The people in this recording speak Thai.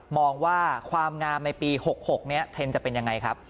มองว่าความงามในปี๖๖นี้เทรนด์จะเป็นยังไงครับ